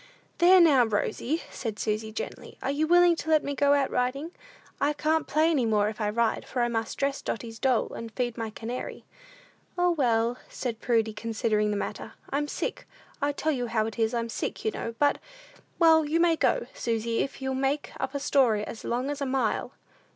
"There, now, Rosy," said Susy, gently, "are you willing to let me go out riding? I can't play any more if I ride, for I must dress Dotty's doll, and feed my canary." "O, well," said Prudy, considering the matter, "I'm sick; I tell you how it is, I'm sick, you know; but well, you may go, Susy, if you'll make up a story as long as a mile."